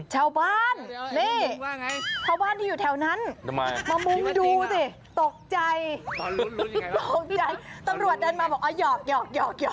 ชาวบ้านนี่ชาวบ้านที่อยู่แถวนั้นมามุงดูสิตกใจตกใจตำรวจเดินมาบอกเอาหยอก